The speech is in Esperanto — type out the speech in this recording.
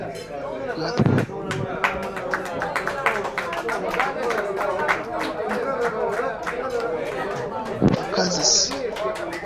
La konstruado komence estis iom problema, sed finfine ĝi ja okazis.